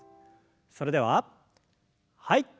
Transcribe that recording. それでははい。